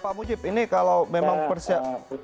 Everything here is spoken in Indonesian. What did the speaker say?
pak mujib ini kalau memang persiapan